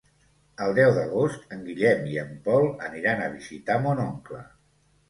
El deu d'agost en Guillem i en Pol aniran a visitar mon oncle.